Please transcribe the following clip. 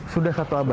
sudah satu abad